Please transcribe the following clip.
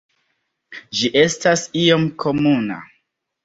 Ĝi estas iom komuna.